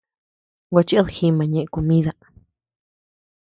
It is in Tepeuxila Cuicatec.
Gua chid jima ñeʼe komida.